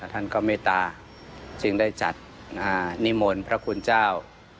ท่านก็เมตตาจึงได้จัดนิมนต์พระคุณเจ้า